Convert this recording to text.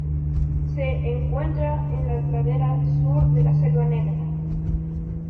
Se encuentra en la ladera sur de la Selva Negra.